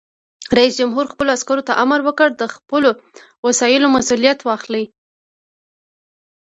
رئیس جمهور خپلو عسکرو ته امر وکړ؛ د خپلو وسایلو مسؤلیت واخلئ!